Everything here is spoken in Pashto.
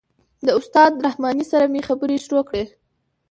د استاد رحماني سره مې خبرې شروع کړلې.